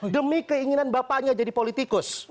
demi keinginan bapaknya jadi politikus